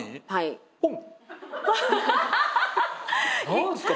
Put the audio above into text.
何ですか？